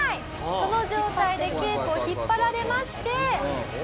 その状態でケープを引っ張られまして。